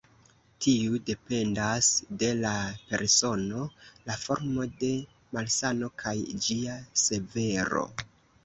Tiu dependas de la persono, la formo de malsano, kaj ĝia severo.